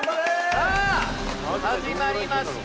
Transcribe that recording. さあ始まりました。